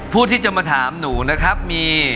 ผู้ที่จะมาถามหนูนะครับมี